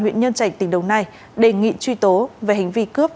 huyện nhân trạch tỉnh đồng nai đề nghị truy tố về hành vi cướp